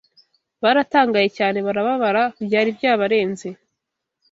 baratangaye cyane barababara byari byabarenze